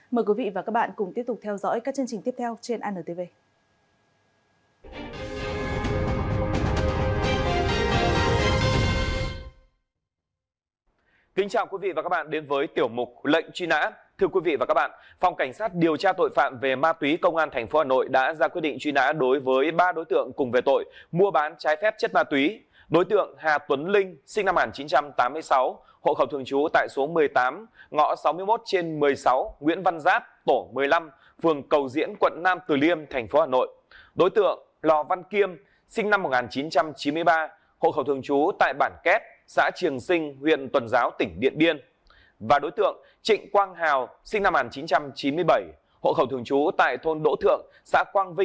mời quý vị và các bạn cùng tiếp tục theo dõi các chương trình tiếp theo trên antv